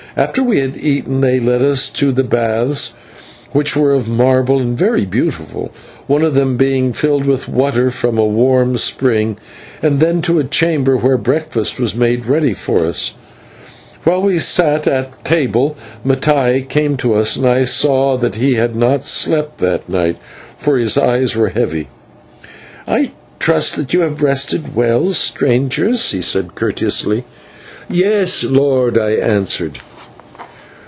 After we had eaten, they led us to the baths, which were of marble and very beautiful, one of them being filled with water from a warm spring, and then to a chamber, where breakfast was made ready for us. While we sat at table, Mattai came to us, and I saw that he had not slept that night, for his eyes were heavy. "I trust that you have rested well, strangers," he said courteously. "Yes, lord," I answered.